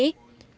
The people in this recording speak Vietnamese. nguyên nhân là